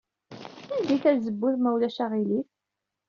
Ldey tazewwut, ma ulac aɣilif.